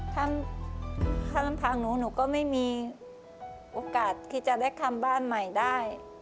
ทางน้ำหนูก็ไม่มีโอกาสที่จะทำบ้านใหม่ได้